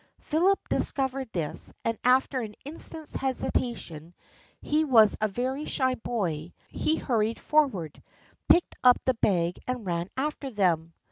Philip discovered this, and after an instant's hesitation — he was a very shy boy — he hurried forward, picked up the bag and ran after them.